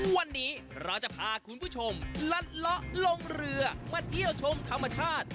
วันนี้เราจะพาคุณผู้ชมลัดเลาะลงเรือมาเที่ยวชมธรรมชาติ